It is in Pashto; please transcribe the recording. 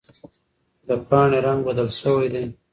د پاڼې رنګ بدل شوی دی.